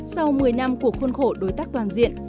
sau một mươi năm của khuôn khổ đối tác toàn diện